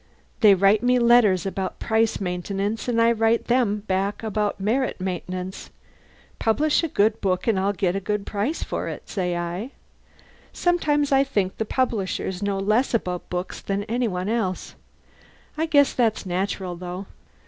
They write me letters about price maintenance and I write back about merit maintenance. Publish a good book and I'll get a good price for it, say I! Sometimes I think the publishers know less about books than any one else! I guess that's natural, though.